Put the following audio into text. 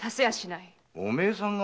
お前さんが？